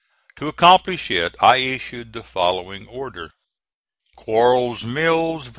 To accomplish it, I issued the following order: QUARLES' MILLS, VA.